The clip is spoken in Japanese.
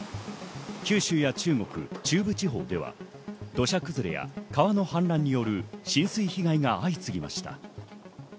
九州や中国、中部地方では土砂崩れや川の氾濫による浸水被害が相次ぎました。